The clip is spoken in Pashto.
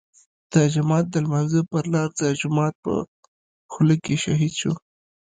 د جماعت د لمانځه پر لار د جومات په خوله کې شهيد شو.